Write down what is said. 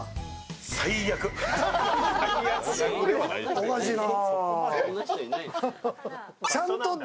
おかしいな。